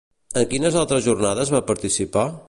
En quines altres jornades va participar?